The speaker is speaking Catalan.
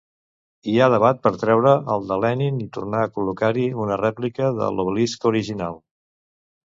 Hi ha debat per treure el de Lenin i tornar a col·locar-hi una rèplica de l'obelisc original.